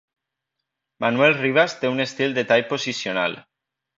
Manuel Rivas té un estil de tall posicional.